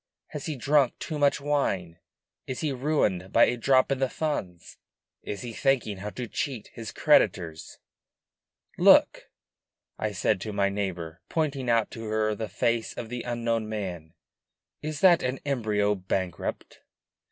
"Has he drunk too much wine? Is he ruined by a drop in the Funds? Is he thinking how to cheat his creditors?" "Look!" I said to my neighbor, pointing out to her the face of the unknown man, "is that an embryo bankrupt?"